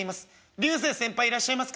流星先輩いらっしゃいますか？」。